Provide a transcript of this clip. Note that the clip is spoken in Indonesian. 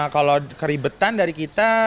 kalau keribetan dari kita